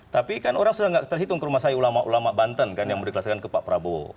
tapi kan orang sudah tidak terhitung ke rumah saya ulama ulama banten kan yang diklaskan ke pak prabowo